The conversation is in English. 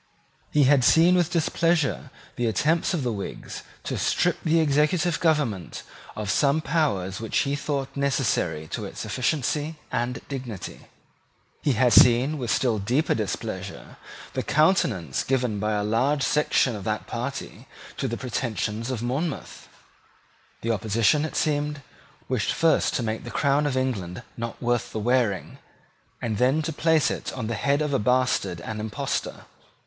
He had seen with displeasure the attempts of the Whigs to strip the executive government of some powers which he thought necessary to its efficiency and dignity. He had seen with still deeper displeasure the countenance given by a large section of that party to the pretensions of Monmouth. The opposition, it seemed, wished first to make the crown of England not worth the wearing, and then to place it on the head of a bastard and impostor.